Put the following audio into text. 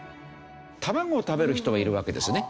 卵を食べる人はいるわけですね。